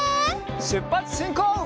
しゅっぱつしんこう！